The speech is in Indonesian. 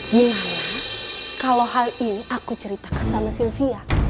gimana kalau hal ini aku ceritakan sama sylvia